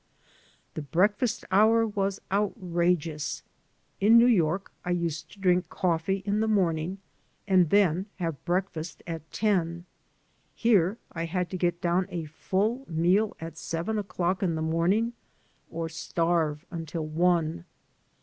The breakfast hour was AN AMERICAN IN THE MAKING outrageous. In New York I used to drink coffee in the morning, and then have breakfast at ten. Here I had to get down a full meal at seven o'clock in the morning or starve until one.